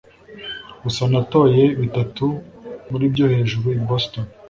gusa natoye bitatu muri byo hejuru i boston